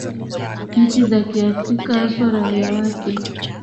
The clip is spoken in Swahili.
nchi za kiafrika haswa raia wakee